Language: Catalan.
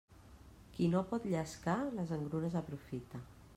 Qui no pot llescar, les engrunes aprofita.